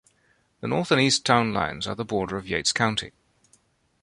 The north and east town lines are the border of Yates County.